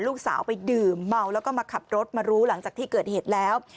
ลูกสาวไปดื่มเมาแล้วก็มาขับรถมารู้หลังจากที่เกิดเหตุแล้ว